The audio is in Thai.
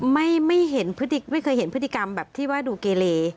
ไม่เห็นไม่เคยเห็นพฤติกรรมแบบที่ว่าดูเกเล